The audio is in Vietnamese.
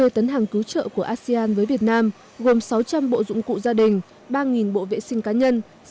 một mươi tấn hàng cứu trợ của asean với việt nam gồm sáu trăm linh bộ dụng cụ gia đình ba bộ vệ sinh cá nhân